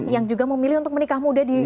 yang juga memilih untuk menikah muda